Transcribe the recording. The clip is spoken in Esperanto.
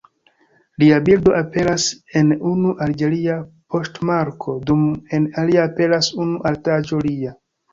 Lia bildo aperas en unu alĝeria poŝtmarko dum en alia aperas unu artaĵo lia.